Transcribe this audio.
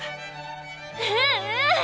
うんうん！